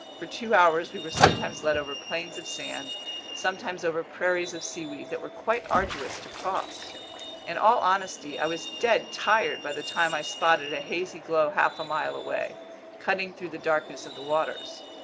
For two hours we were sometimes led over plains of sand, sometimes over prairies of seaweed that were quite arduous to cross. In all honesty, I was dead tired by the time I spotted a hazy glow half a mile away, cutting through the darkness of the waters.